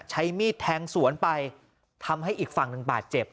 ใช้มีดแทงสวนไปทำให้อีกฝั่งหนึ่งบาดเจ็บ